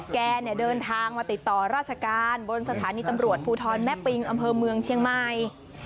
แกเนี่ยเดินทางมาติดต่อราชการบนสถานีตำรวจภูทรแม่ปิงอำเภอเมืองเชียงใหม่